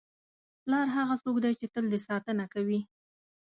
پلار هغه څوک دی چې تل دې ساتنه کوي.